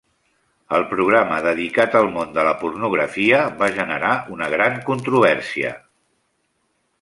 El programa dedicat al món de la pornografia va generar una gran controvèrsia.